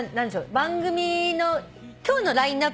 番組の今日のラインアップは。